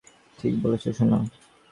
ঠিক বলেছ, সোনা।